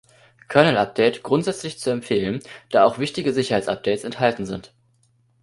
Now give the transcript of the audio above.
Kernel-update grundsätzlich zu empfehlen, da auch wichtige Sicherheitsupdates enthalten sind.